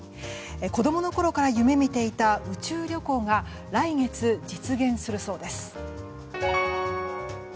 子供のころから夢見ていた宇宙旅行が来月、実現するそうです。